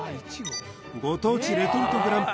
ご当地レトルトグランプリ